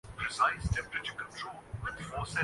جھوٹ بولنا بُری عادت ہے اور عموماً بچے اس کا شکار ہوجاتے ہیں